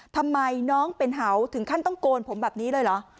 ทำไมน้องเป็นเห่าถึงขั้นต้องโกนผมแบบนี้เลยเหรอ